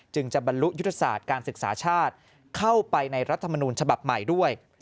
จะบรรลุยุทธศาสตร์การศึกษาชาติเข้าไปในรัฐมนูญฉบับใหม่ด้วย